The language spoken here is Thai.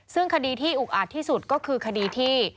ซึ่งคดีที่อุกอาจที่สุดก็คือคดีที่